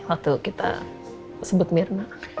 waktu kita sebut mirna